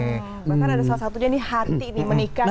bahkan ada salah satunya nih hati nih menikah